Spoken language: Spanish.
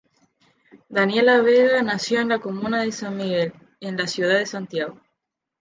Daniela Vega nació en la comuna de San Miguel, en la ciudad de Santiago.